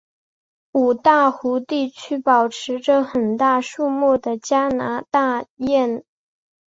五大湖地区保持着很大数目的加拿大雁。